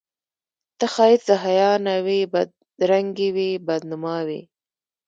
ته ښایست د حیا نه وې بدرنګي وې بد نما وې